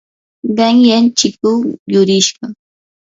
qanyan chikuu yurishqa.